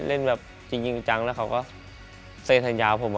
เล่นจริงจรังแล้วเขาก็เซธัญญาเอาผม